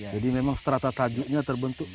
jadi memang strata tajuknya terbentuk